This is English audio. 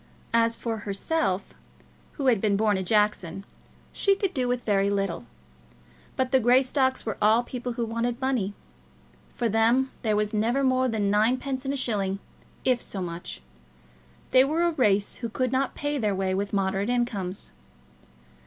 As for herself, who had been born a Jackson, she could do with very little; but the Greystocks were all people who wanted money. For them there was never more than ninepence in a shilling, if so much. They were a race who could not pay their way with moderate incomes.